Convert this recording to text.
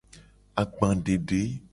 Agbadede.